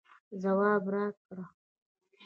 ځواب راکړئ